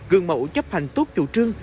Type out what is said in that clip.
gương mẫu chấp hành tốt chủ trương